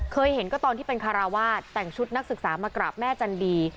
เคยเห็นก็ตอนที่เป็นคาราวาสแต่งชุดนักศึกษามากราบแม่จันดี